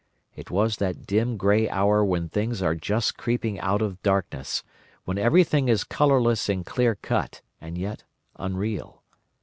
It was that dim grey hour when things are just creeping out of darkness, when everything is colourless and clear cut, and yet unreal.